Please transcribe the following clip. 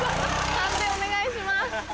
判定お願いします。